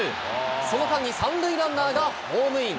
その間に３塁ランナーがホームイン。